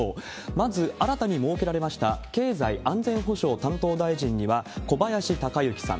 まず、新たに設けられました経済安全保障担当大臣には小林鷹之さん。